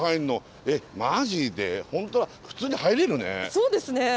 そうですね。